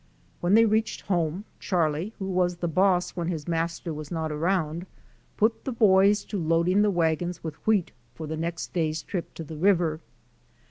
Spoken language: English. When they reached home Charlie, who was the boss when his master was not around, put the boys to loading the wagons with wheat for the next day's trip to the river.